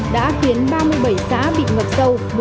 đã khiến ba mươi bảy xã bị ngập sâu